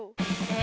え！